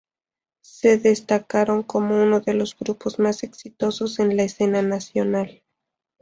Se destacaron como uno de los grupos más exitosos en la escena nacional.